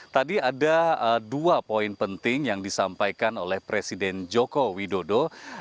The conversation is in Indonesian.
tadi ada dua poin penting yang disampaikan oleh presiden joko widodo